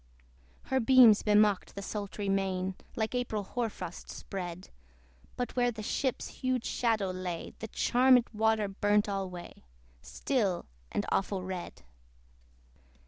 Her beams bemocked the sultry main, Like April hoar frost spread; But where the ship's huge shadow lay, The charmed water burnt alway A still and awful red.